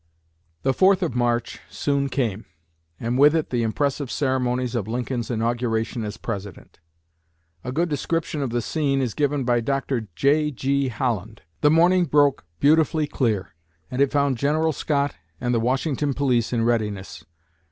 The fourth of March soon came, and with it the impressive ceremonies of Lincoln's inauguration as President. A good description of the scene is given by Dr. J.G. Holland. "The morning broke beautifully clear, and it found General Scott and the Washington police in readiness.